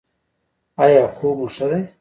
ایا خوب مو ښه دی؟